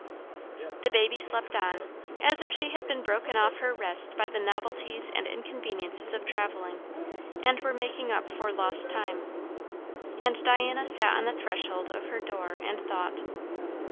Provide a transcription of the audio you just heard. The baby slept on, as if she had been broken off her rest by the novelties and inconveniences of travelling, and were making up for lost time; and Diana sat on the threshold of her door and thought.